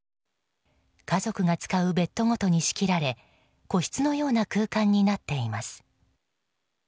家族が使うベッドごとに仕切られ個室のような空間になっています。